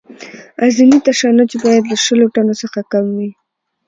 اعظمي تشنج باید له شلو ټنو څخه کم وي